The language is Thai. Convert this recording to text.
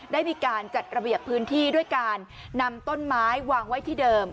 ได้มีการจัดระเบียบพื้นที่ด้วยการนำต้นไม้วางไว้ที่เดิม